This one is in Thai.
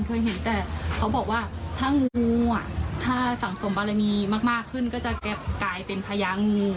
เคยเห็นแต่เขาบอกว่าถ้างูอ่ะถ้าสังสมบารมีมากขึ้นก็จะกลายเป็นพญางู